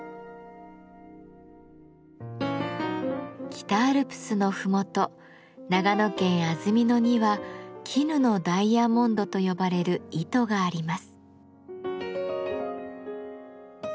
北アルプスの麓長野県安曇野には「絹のダイヤモンド」と呼ばれる糸があります。